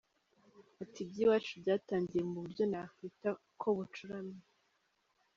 Ati "Iby’iwacu byatangiye mu buryo nakwita ko bucuramye.